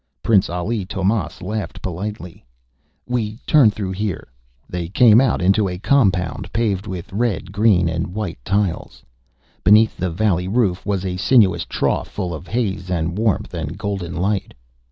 Prince Ali Tomás laughed politely. "We turn through here." They came out into a compound paved with red, green and white tiles. Beneath the valley roof was a sinuous trough, full of haze and warmth and golden light.